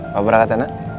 apa berangkat anak